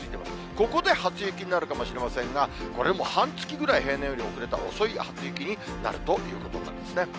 ここで初雪になるかもしれませんが、これも半月ぐらい平年より遅れた、遅い初雪になるということなんですね。